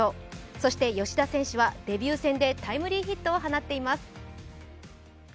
そして吉田選手はデビュー戦でタイムリーヒットを放っています。